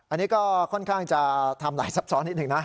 อันนี้ก็ค่อนข้างจะทำหลายซับซ้อนนิดหนึ่งนะ